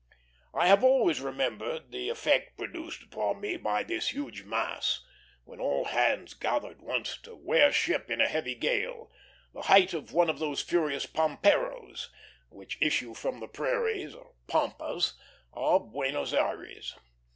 I have always remembered the effect produced upon me by this huge mass, when all hands gathered once to wear ship in a heavy gale, the height of one of those furious pamperos which issue from the prairies (pampas) of Buenos Ayres.